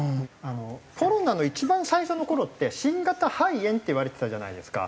コロナの一番最初の頃って新型肺炎っていわれてたじゃないですか。